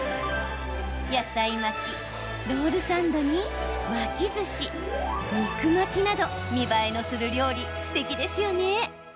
野菜巻き、ロールサンドに巻きずし、肉巻きなど見栄えのする料理すてきですよね。